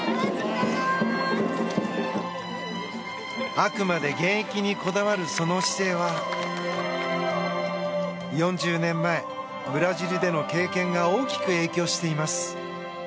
あくまで現役にこだわるその姿勢は４０年前、ブラジルでの経験が大きく影響しています。